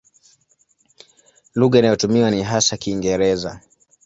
Lugha inayotumiwa ni hasa Kiingereza.